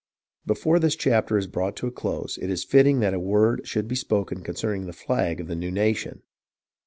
Before this chapter is brought to a close, it is fitting that a word should be spoken concerning the flag of the new nation.